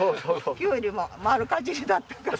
キュウリも丸かじりだったから。